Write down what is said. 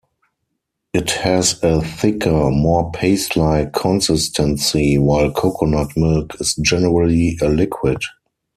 It has a thicker, more paste-like consistency, while coconut milk is generally a liquid.